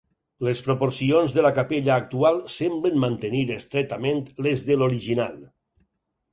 Les proporcions de la capella actual semblen mantenir estretament les de l'original.